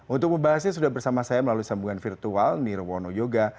untuk membahasnya sudah bersama saya melalui sambungan virtual nirwono yoga